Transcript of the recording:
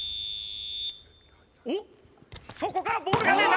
おっそこからボールが見えた。